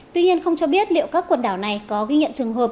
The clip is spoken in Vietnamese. tuy nhiên không cho biết liệu các quần đảo này có ghi nhận trường hợp